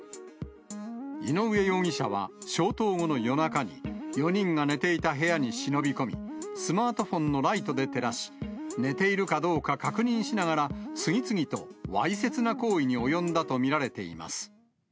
井上容疑者は消灯後の夜中に４人が寝ていた部屋に忍び込み、スマートフォンのライトで照らし、寝ているかどうか確認しながら、次々とわいせつな行為に及んだと見られています。